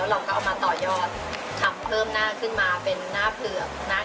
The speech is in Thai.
เวลาทานก็จะฟอร์มแต่มะพันธุ์ฟอร์มจะมีเนื้ออัมัด